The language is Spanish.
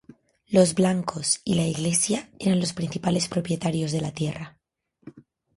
Los blancos y la Iglesia eran los principales propietarios de la tierra.